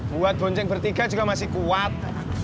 buat bonceng bertiga juga masih kuat